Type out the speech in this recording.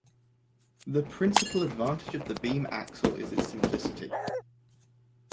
The principal advantage of the beam axle is its simplicity.